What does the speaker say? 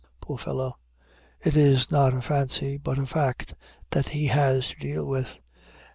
Poor fellow! It is not a fancy, but a fact, that he has to deal with.